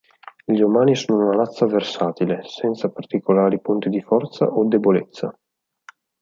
Gli umani sono una razza versatile, senza particolari punti di forza o debolezza.